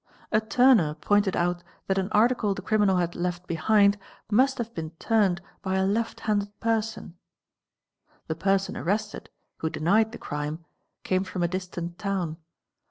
A turner pointed out that an article the criminal had ft behind must have been turned by a left handed person®*1™, The erson arrested (who denied the crime) came from a distant town.